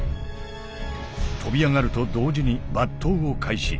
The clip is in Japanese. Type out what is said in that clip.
跳び上がると同時に抜刀を開始。